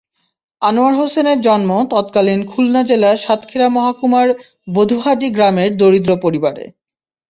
আনোয়ার হোসেনের জন্ম তৎকালীন খুলনা জেলার সাতক্ষীরা মহকুমার বুধহাটি গ্রামের দরিদ্র পরিবারে।